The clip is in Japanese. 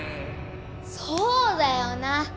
そうだよな！